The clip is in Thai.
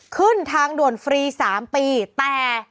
ขึ้นทางด่วนฟรี๓ปีแต่